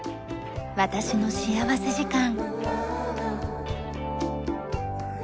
『私の幸福時間』。